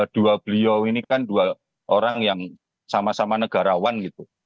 dua beliau ini kan dua orang yang sama sama negarawan gitu